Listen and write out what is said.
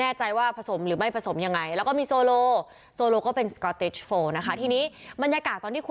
นี่นี่นี่นี่นี่นี่นี่นี่นี่นี่นี่นี่นี่